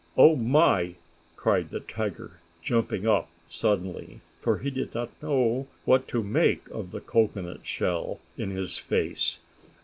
"Oh my!" cried the tiger, jumping up suddenly, for he did not know what to make of the cocoanut shell in his face.